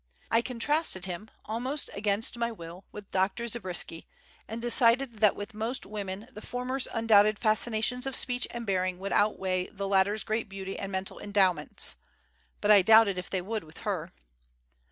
I contrasted him, almost against my will, with Dr. Zabriskie, and decided that with most women the former's undoubted fascinations of speech and bearing would outweigh the latter's great beauty and mental endowments; but I doubted if they would with her.